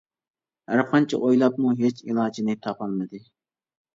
ھەر قانچە ئويلاپمۇ ھېچ ئىلاجىنى تاپالمىدى.